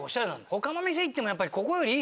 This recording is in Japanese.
「他の店行っても」